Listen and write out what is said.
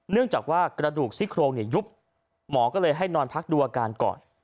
เนื่องจากว่ากระดูกซี่โครงยุบหมอก็เลยให้นอนพักดูอาการก่อน